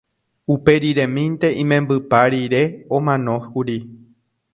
uperiremínte imembypa rire omanókuri